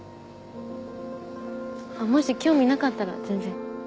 もし興味なかったら全然。